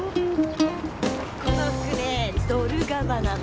この服ねドルガバなの。